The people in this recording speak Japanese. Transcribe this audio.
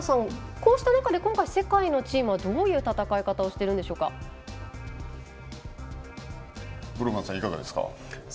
こうした中で今回、世界のチームはどういう戦い方を五郎丸さん、いかがですか。